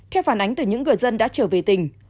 theo phản ánh từ những người dân đã trở về tỉnh